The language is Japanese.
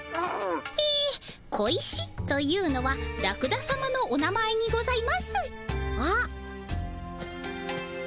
え小石というのはラクダさまのお名前にございますあっ！